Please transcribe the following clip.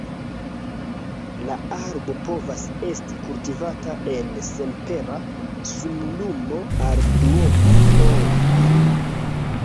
La arbo povas esti kultivata en senpera sunlumo al duona ombro.